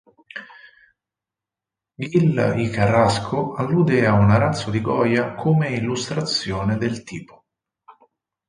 Gil y Carrasco allude a un arazzo di Goya come illustrazione del tipo.